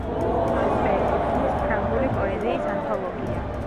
მასვე ეკუთვნის ფრანგული პოეზიის ანთოლოგია.